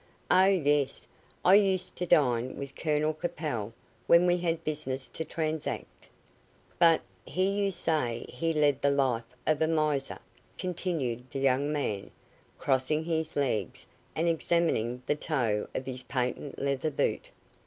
"Oh, yes! I used to dine with Colonel Capel when we had business to transact." "But, here you say he led the life of a miser!" continued the young man, crossing his legs, and examining the toe of his patent leather boot.